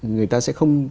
người ta sẽ không